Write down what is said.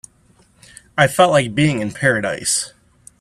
I felt like being in paradise.